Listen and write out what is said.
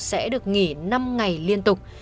sẽ được nghỉ năm ngày liên tục